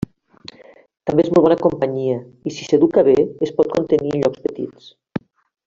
També és molt bona companyia, i si s'educa bé, es pot contenir en llocs petits.